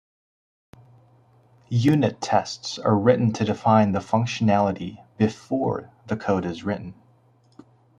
Unit tests are written to define the functionality "before" the code is written.